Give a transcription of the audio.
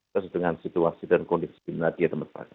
sesuai dengan situasi dan kondisi di melati atom petrol